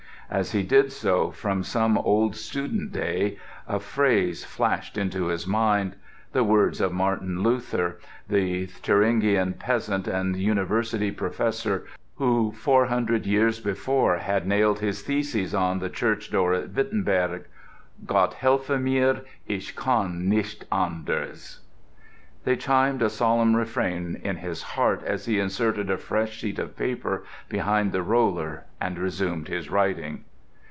As he did so, from some old student day a phrase flashed into his mind—the words of Martin Luther, the Thuringian peasant and university professor, who four hundred years before had nailed his theses on the church door at Wittenberg: "Gott helfe mir, ich kann nicht anders." They chimed a solemn refrain in his heart as he inserted a fresh sheet of paper behind the roller and resumed his writing....